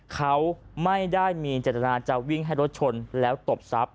เขาไม่ได้มีเจตนาจะวิ่งให้รถชนแล้วตบทรัพย